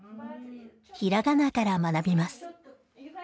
ひらがなから学びます。